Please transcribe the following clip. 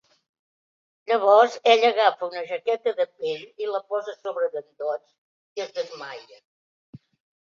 Llavors ell agafa una jaqueta de pell i la posa a sobre d'en Dodge i es desmaia.